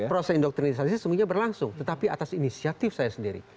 proses indoktrinisasi sesungguhnya berlangsung tetapi atas inisiatif saya sendiri